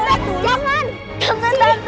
aku pengen gue kaos